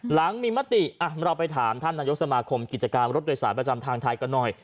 หลังมีมติเราไปถามท่านนายกสมาคมกิจการรถโดยสารประจำทางไทยกันหน่อย